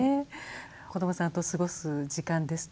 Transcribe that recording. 子どもさんと過ごす時間ですとか